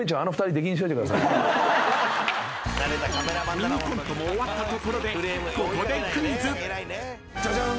［ミニコントも終わったところでここで］じゃじゃん！